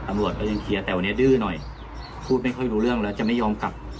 ตำรวจก็ยังเคลียร์แต่วันนี้ดื้อหน่อยพูดไม่ค่อยรู้เรื่องแล้วจะไม่ยอมกลับ